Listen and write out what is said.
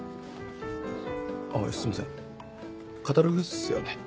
あすいませんカタログっすよね。